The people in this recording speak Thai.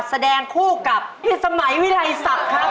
แสดงคู่กับพี่สมัยวิรัยศักดิ์ครับ